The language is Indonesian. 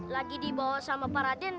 lagi dibawa sama paraden